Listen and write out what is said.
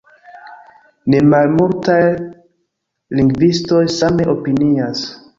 Nemalmultaj lingvistoj same opinias.